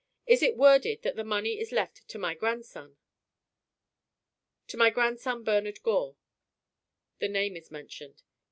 "Is it worded that the money is left 'to my grandson.'" "To my grandson Bernard Gore." "The name is mentioned."